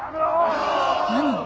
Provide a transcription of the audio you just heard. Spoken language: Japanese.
何？